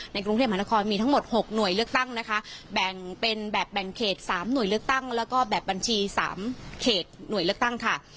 กรุงเทพมหานครมีทั้งหมด๖หน่วยเลือกตั้งนะคะแบ่งเป็นแบบแบ่งเขต๓หน่วยเลือกตั้งแล้วก็แบบบัญชี๓เขตหน่วยเลือกตั้งค่ะ